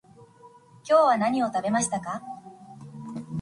今日は何を食べましたか？